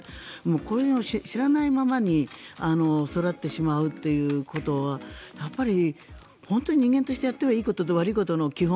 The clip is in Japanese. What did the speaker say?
こういうのを知らないままに育ってしまうということはやっぱり本当に人間としてやっていいことと悪いことの基本